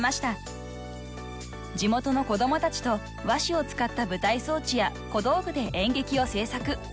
［地元の子供たちと和紙を使った舞台装置や小道具で演劇を制作］